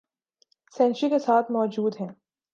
century کے ساتھ موجود ہیں